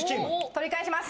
取り返します。